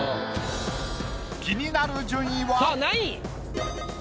気になる順位は。